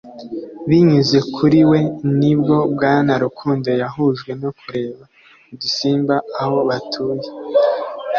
Binyuze kuri we ni bwo Bwana Rukundo yahujwe no kureba udusimba aho batuye